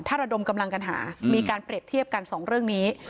ถ้าระดมกำลังกันหามีการเปรียบเทียบกันสองเรื่องนี้